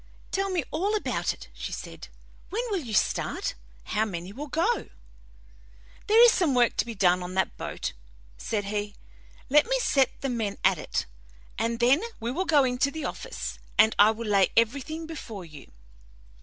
"Tell me all about it," she said "when will you start? How many will go?" "There is some work to be done on that boat," said he. "Let me set the men at it, and then we will go into the office, and I will lay everything before you."